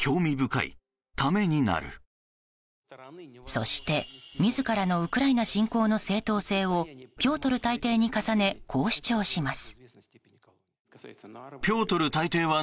そして、自らのウクライナ侵攻の正当性をピョートル大帝に重ねこう主張します。